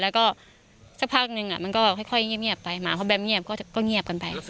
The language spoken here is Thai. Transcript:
แล้วก็สักพักนึงมันก็ค่อยเงียบไปหมาเพราะแมมเงียบก็เงียบกันไป